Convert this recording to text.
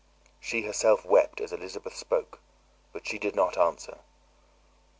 She herself wept as Elizabeth spoke, but she did not answer.